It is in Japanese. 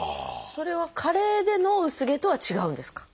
それは加齢での薄毛とは違うんですか？